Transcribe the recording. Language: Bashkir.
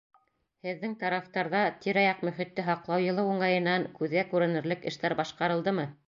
Һеҙҙең тарафтарҙа Тирә-яҡ мөхитте һаҡлау йылы уңайынан күҙгә күренерлек эштәр башҡарылдымы?